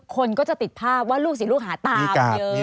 คนก็จะติดภาพว่าลูกศิษย์ลูกหาตามเยอะ